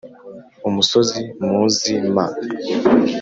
u musozi muzi m a